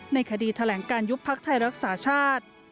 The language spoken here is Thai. ในคดีแถลงการยุบพักไทยรักษาชาติ